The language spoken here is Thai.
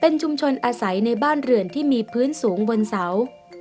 ชุมชนอาศัยในบ้านเรือนที่มีพื้นสูงบนเสา